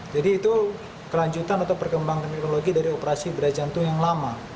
jadi itu kelanjutan atau perkembangan teknologi dari operasi bedah jantung yang lama